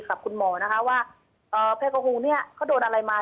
กับคุณหมอนะคะว่าแพโกฮูลเนี่ยเขาโดนอะไรมา